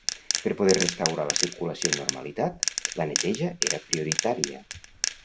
Per poder restaurar la circulació amb normalitat, la neteja era prioritària.